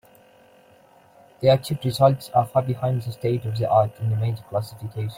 The achieved results are far behind the state-of-the-art in image classification.